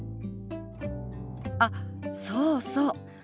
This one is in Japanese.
あっそうそう。